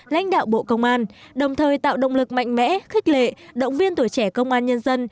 lãnh đạo bộ công an đồng thời tạo động lực mạnh mẽ khích lệ động viên tuổi trẻ công an nhân dân